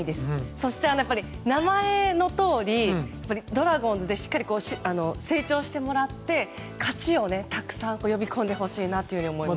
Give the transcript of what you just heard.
そして、名前のとおりドラゴンズでしっかり成長してもらって勝ちをたくさん呼び込んでほしいと思います。